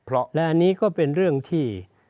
และอันนี้ก็เป็นเรื่องที่